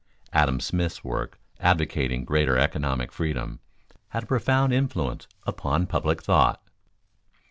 _Adam Smith's work advocating greater economic freedom had a profound influence upon public thought.